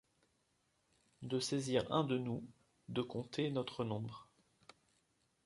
De saisir un de nous, de compter notre nombre